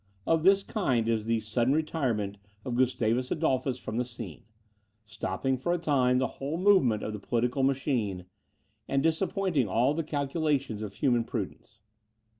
Of this kind, is the sudden retirement of Gustavus Adolphus from the scene; stopping for a time the whole movement of the political machine, and disappointing all the calculations of human prudence.